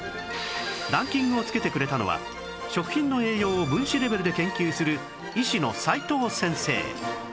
ランキングをつけてくれたのは食品の栄養を分子レベルで研究する医師の齋藤先生